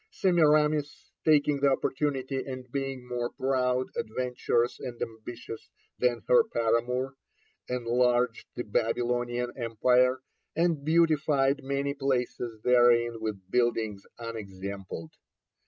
Semiramis taking the opportunity, and being more proud, adventurous, and ambitious than her paramour, enlarged the Babylonian empire, and beautified many places therein with buildings unexampled.